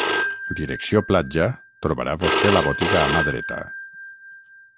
Direcció platja trobarà vosté la botiga a mà dreta